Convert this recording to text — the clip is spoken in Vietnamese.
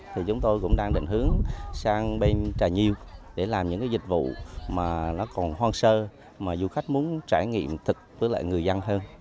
chúng tôi cũng đang định hướng sang bên trà nhiêu để làm những dịch vụ còn hoang sơ mà du khách muốn trải nghiệm thật với người dân hơn